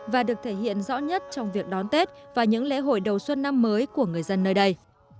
và được thể hiện rõ nhất trong việc đón tết và những lễ hội đầu xuân năm mới của người dân nơi đây